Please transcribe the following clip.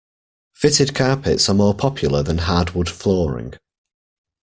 Fitted carpets are more popular than hardwood flooring